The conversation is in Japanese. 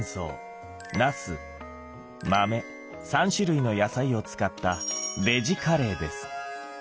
３種類の野菜を使ったベジ・カレーです。